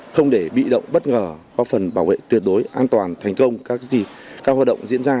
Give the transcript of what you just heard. không để bị động bất ngờ có phần bảo vệ tuyệt đối an toàn thành công các hoạt động diễn ra